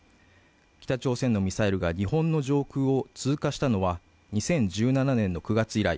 北朝鮮のミサイルが日本の上空を通過したのは２０１７年の９月以来